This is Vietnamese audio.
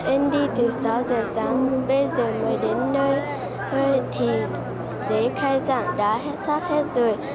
em đi từ sáu giờ sáng bây giờ mới đến nơi hơi thì dự khai giảng đã sát hết rồi